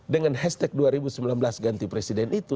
dengan hashtag dua ribu sembilan belas ganti presiden itu